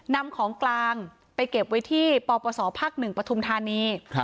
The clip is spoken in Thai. นำของกลางไปเก็บไว้ที่ปปศภาค๑ปฐุมธานี